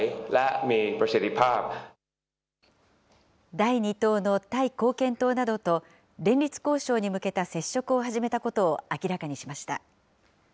第２党のタイ貢献党などと、連立交渉に向けた接触を始めたことを明らかにしました。